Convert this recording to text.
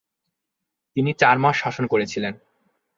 তিনি চার মাস শাসন করেছিলেন।